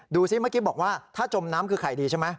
ซิเมื่อกี้บอกว่าถ้าจมน้ำคือใครดีใช่ไหม